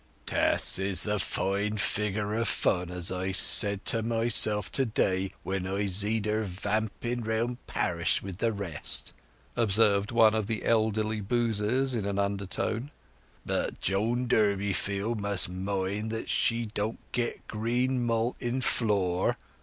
"Tess is a fine figure o' fun, as I said to myself to day when I zeed her vamping round parish with the rest," observed one of the elderly boozers in an undertone. "But Joan Durbeyfield must mind that she don't get green malt in floor."